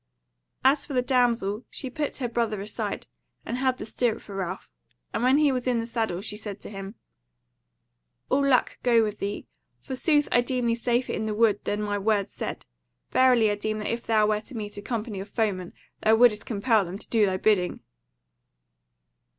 As for the damsel, she put her brother aside, and held the stirrup for Ralph; and when he was in the saddle she said to him: "All luck go with thee! Forsooth I deem thee safer in the Wood than my words said. Verily I deem that if thou wert to meet a company of foemen, thou wouldest compel them to do thy bidding."